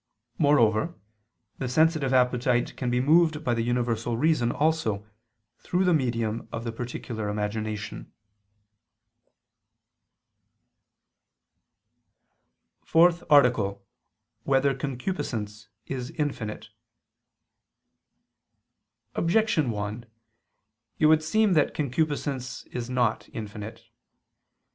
Moreover the sensitive appetite can be moved by the universal reason also, through the medium of the particular imagination. ________________________ FOURTH ARTICLE [I II, Q. 30, Art. 4] Whether Concupiscence Is Infinite? Objection 1: It would seem that concupiscence is not infinite.